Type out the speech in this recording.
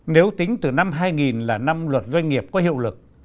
nếu tính từ năm hai nghìn là năm luật doanh nghiệp có hiệu lực